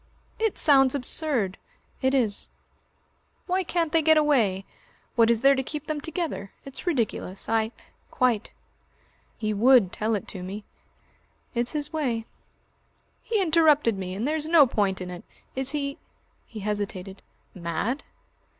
"It sounds absurd." "It is." "Why can't they get away? What is there to keep them together? It's ridiculous. I " "Quite." "He would tell it to me." "It's his way." "He interrupted me. And there's no point in it. Is he " he hesitated, "mad?"